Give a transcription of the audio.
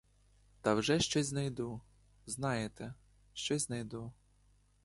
Та вже щось знайду, знаєте, щось знайду.